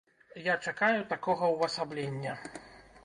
Я чакаю такога ўвасаблення.